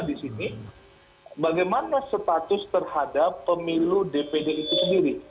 di sini bagaimana status terhadap pemilu dpd itu sendiri